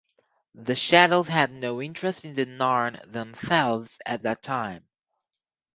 The Shadows had no interest in the Narn themselves at that time.